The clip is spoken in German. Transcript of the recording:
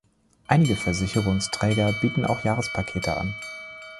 Einige Versicherungsträger bieten auch Jahrespakete an.